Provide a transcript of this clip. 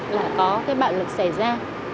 là có cái bạo lực xảy ra